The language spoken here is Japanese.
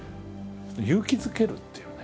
「勇気づける」っていうね